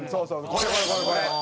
これこれこれこれ！